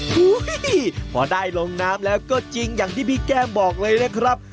อุ้ยพอได้ลงน้ำแล้วก็จริงอย่างที่พี่แก้มบอกเลยนะครับ